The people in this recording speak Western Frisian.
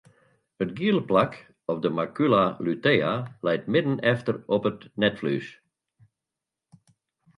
It giele plak of de macula lutea leit midden efter op it netflues.